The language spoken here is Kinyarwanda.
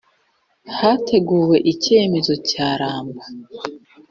Hateguwe icyemezo cya lambaek